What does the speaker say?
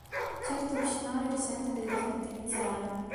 Certo lo scenario risente del difetto iniziale.